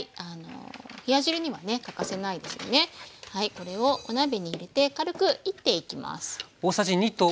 これをお鍋に入れて軽く煎っていきます。